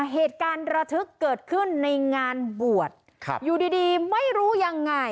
เหตุการณ์ระทึกเกิดขึ้นในงานบวชอยู่ดีดีไม่รู้ยังไง